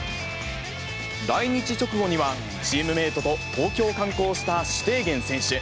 来日直後には、チームメートと東京観光したシュテーゲン選手。